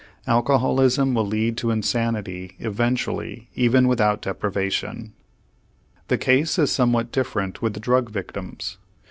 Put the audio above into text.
Alcoholism will lead to insanity eventually even without deprivation. The case is somewhat different with drug victims.